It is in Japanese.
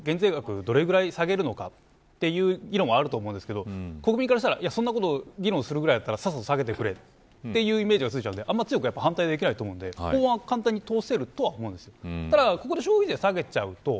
もちろん経済がどれくらい下がるのかという議論はあると思うんですけどそんなこと議論するくらいだったらさっさと下げてくれというイメージがついちゃうのであんまり強く反対できないと思うので、簡単に通せると思います。